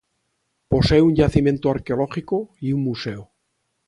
Posee un yacimiento arqueológico y un museo.